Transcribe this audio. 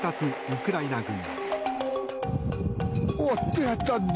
ウクライナ軍。